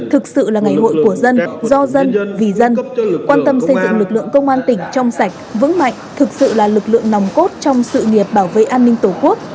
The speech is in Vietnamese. thực sự là ngày hội của dân do dân vì dân quan tâm xây dựng lực lượng công an tỉnh trong sạch vững mạnh thực sự là lực lượng nòng cốt trong sự nghiệp bảo vệ an ninh tổ quốc